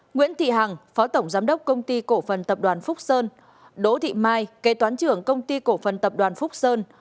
nguyễn thị hằng phó tổng giám đốc công ty cổ phần tập đoàn phúc sơn đỗ thị mai kế toán trưởng công ty cổ phần tập đoàn phúc sơn